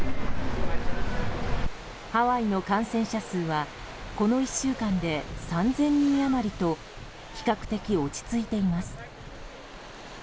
ハワイの感染者数はこの１週間で３０００人余りと比較的、落ち着いています。